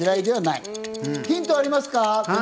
ヒントありますか？